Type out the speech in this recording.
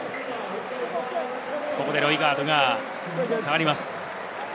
ロイガードが下がります。